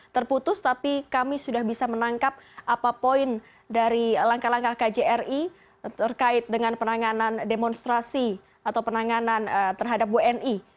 terputus tapi kami sudah bisa menangkap apa poin dari langkah langkah kjri terkait dengan penanganan demonstrasi atau penanganan terhadap wni